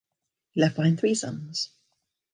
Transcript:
He left behind three sons.